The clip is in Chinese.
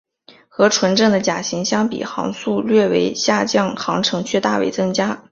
和纯正的甲型相比航速略为下降航程却大为增加。